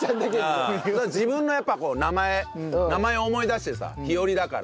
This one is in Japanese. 自分のやっぱ名前名前を思い出してさひよりだから。